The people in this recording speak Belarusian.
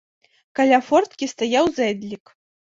Каля форткі стаяў зэдлік.